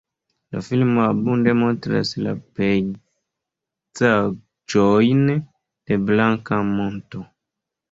La filmo abunde montras la pejzaĝojn de Blanka Monto.